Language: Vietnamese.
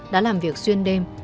đã làm việc xuyên đêm